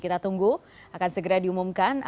kita tunggu akan segera diumumkan